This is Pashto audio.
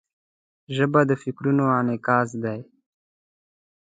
ژبه د فکرونو انعکاس دی